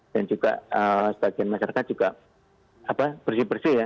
dan juga sebagian masyarakat juga bersih bersih ya